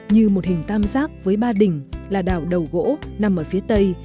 như một hình tam giác với ba đỉnh là đảo đầu gỗ nằm ở phía tây